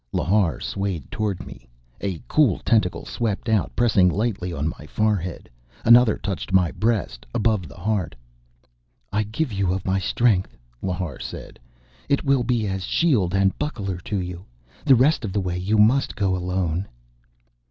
Lhar swayed toward me. A cool tentacle swept out, pressing lightly on my forehead. Another touched my breast, above the heart. "I give you of my strength," Lhar said. "It will be as shield and buckler to you. The rest of the way you must go alone...."